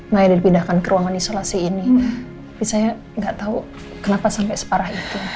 maya dipindahkan ke ruangan isolasi ini tapi saya nggak tahu kenapa sampai separah itu